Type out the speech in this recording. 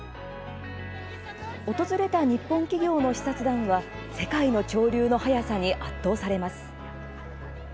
訪れた日本企業の視察団は世界の潮流の速さに圧倒されます。